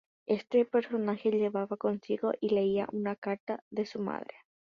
Este personaje llevaba consigo, y leía, una carta de su madre.